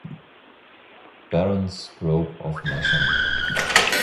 Baron Scrope of Masham.